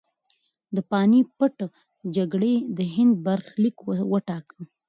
د پاني پت جګړې د هند برخلیک وټاکه.